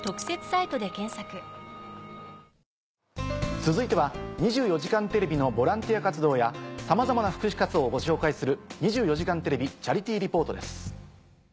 続いては『２４時間テレビ』のボランティア活動やさまざまな福祉活動をご紹介する。